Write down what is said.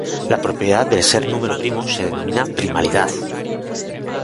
La propiedad de ser número primo se denomina primalidad.